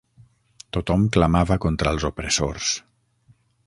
Tothom clamava contra els opressors.